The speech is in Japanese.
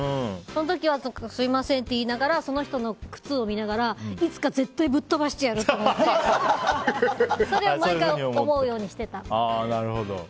その時はすみませんっていいながらその人の靴を見ながらいつか絶対ぶっとばしてやると思ってそれを毎回思うようにしてた。